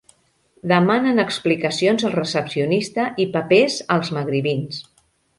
Demanen explicacions al recepcionista i papers als magribins.